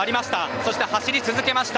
そして走り続けました。